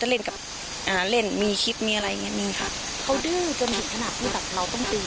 เล่นกับอ่าเล่นมีคลิปมีอะไรอย่างเงี้มีค่ะเขาดื้อจนถึงขนาดที่แบบเราต้องตี